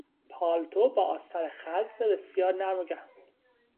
پالتو با آستر خز بسیار نرم و گرم